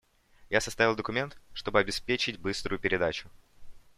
Я составил документ, чтобы обеспечить быструю передачу.